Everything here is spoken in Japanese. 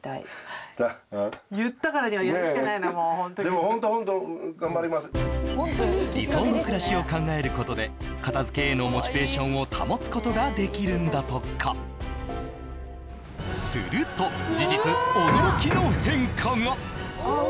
もうホントに理想の暮らしを考えることで片づけへのモチベーションを保つことができるんだとかすると事実驚きの変化が！おおわあ！